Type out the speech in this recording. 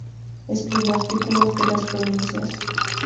Escribió artículos en Las Provincias.